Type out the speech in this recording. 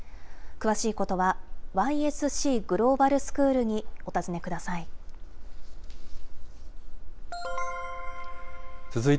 詳しいことは、ＹＳＣグローバル・スクールにお尋ねください。